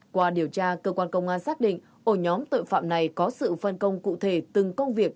qua điều tra cơ quan công an xác định ổ nhóm tội phạm này có sự phân công cụ thể từng công việc